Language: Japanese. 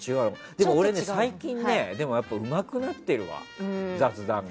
でも俺、最近うまくなってるわ、雑談が。